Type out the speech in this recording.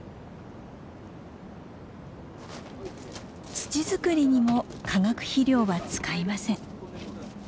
土作りにも化学肥料は使いません。